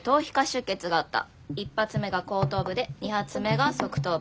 １発目が後頭部で２発目が側頭部。